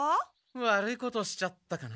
悪いことしちゃったかな。